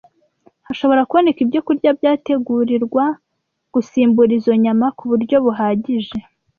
hashobora kuboneka ibyokurya byategurirwa gusimbura izo nyama ku buryo buhagije